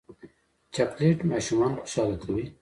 چاکلېټ ماشومان خوشحاله کوي.